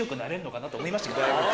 思いましたけど。